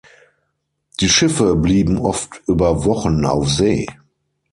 Die Schiffe blieben oft über Wochen auf See.